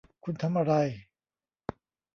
คุณทำอะไร